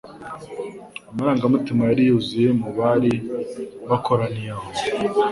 amarangamutima yari yuzuye mu bari bakoraniye aho